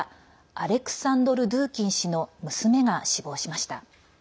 アレクサンドル・ドゥーギン氏の娘が死亡しました。